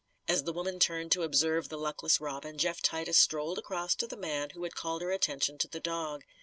As the woman turned to observe the luckless Robin, Jeff Titus strolled across to the man who had called her attention to the dog.